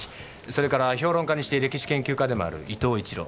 それから評論家にして歴史研究家でもある伊藤一郎。